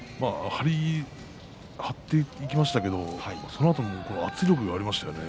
張っていきましたけどそのあとの圧力がありましたね。